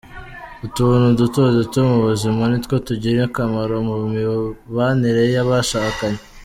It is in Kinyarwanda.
Utuntu duto duto mu buzima nitwo tugira akamaro mu mibanire y’abashakanye.